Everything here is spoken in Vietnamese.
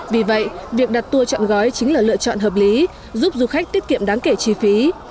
vì vậy việc đặt tour chọn gói chính là lựa chọn hợp lý giúp du khách tiết kiệm đáng kể chi phí